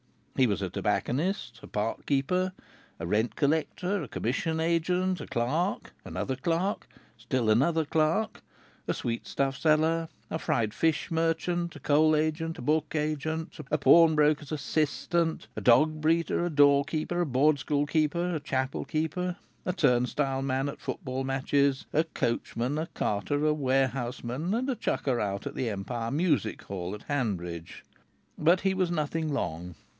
He was a tobacconist, a park keeper, a rent collector, a commission agent, a clerk, another clerk, still another clerk, a sweetstuff seller, a fried fish merchant, a coal agent, a book agent, a pawnbroker's assistant, a dog breeder, a door keeper, a board school keeper, a chapel keeper, a turnstile man at football matches, a coachman, a carter, a warehouseman, and a chucker out at the Empire Music Hall at Hanbridge. But he was nothing long.